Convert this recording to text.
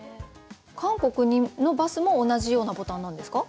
韓国のバスも同じようなボタンなんですか？